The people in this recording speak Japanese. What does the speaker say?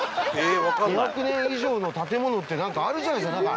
２００年以上の建物って何かあるじゃないですか。